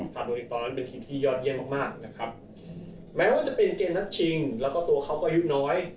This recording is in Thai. ฝั่งตัวเองตอนนั้นเป็นทีมที่ยอดเยี่ยมมากมากนะครับแม้ว่าจะเป็นเกมนัดชิงแล้วก็ตัวเขาก็อายุน้อย